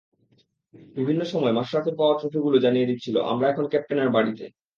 বিভিন্ন সময় মাশরাফির পাওয়া ট্রফিগুলো জানিয়ে দিচ্ছিল, আমরা এখন ক্যাপ্টেনের বাড়িতে।